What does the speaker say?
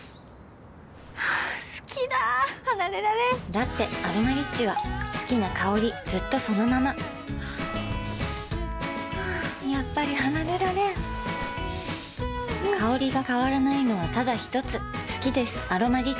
好きだ離れられんだって「アロマリッチ」は好きな香りずっとそのままやっぱり離れられん香りが変わらないのはただひとつ好きです「アロマリッチ」